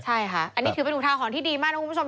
ใช่ค่ะอันนี้ถือเป็นอุทาหรณ์ที่ดีมากนะคุณผู้ชม